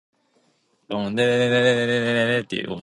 Ratzenberger suffered a basal skull fracture, and was killed instantly.